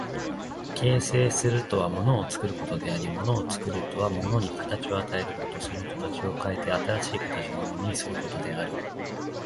形成するとは物を作ることであり、物を作るとは物に形を与えること、その形を変えて新しい形のものにすることである。